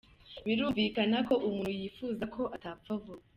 Birumvikana ko umuntu yifuzako atapfa vuba.